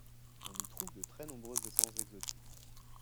On y trouve de très nombreuses essences exotiques.